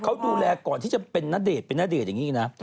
เขาดูแลก่อนที่จะเป็นณเดชน์เป็นณเดชน์อย่างนี้นะ